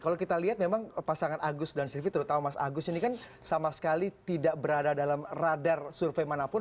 kalau kita lihat memang pasangan agus dan silvi terutama mas agus ini kan sama sekali tidak berada dalam radar survei manapun